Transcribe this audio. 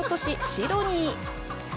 シドニー。